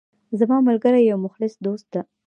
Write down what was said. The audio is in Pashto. زما ملګری یو مخلص دوست ده